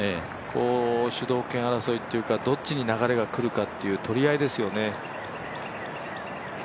主導権争いというか、どっちに流れがくるかという取り合いですよね。